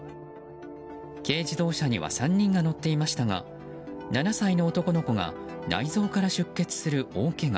軽自動車には３人が乗っていましたが７歳の男の子が内臓から出血する大けが。